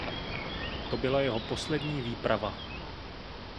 To byla jeho poslední výprava.